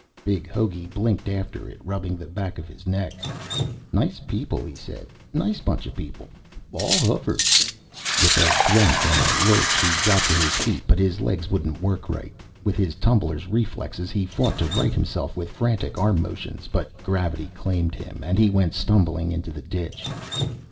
Big Hogey blinked after it, rubbing the back of his neck. "Nice people," he said. "Nice buncha people. All hoofers." With a grunt and a lurch, he got to his feet, but his legs wouldn't work right. With his tumbler's reflexes, he fought to right himself with frantic arm motions, but gravity claimed him, and he went stumbling into the ditch.